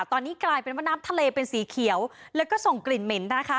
ตอนนี้กลายเป็นว่าน้ำทะเลเป็นสีเขียวแล้วก็ส่งกลิ่นเหม็นนะคะ